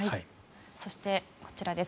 そして、こちらです。